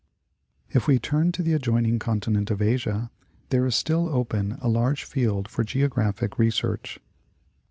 If we turn to the adjoining continent of Asia, there is still open a large field for Geographic research.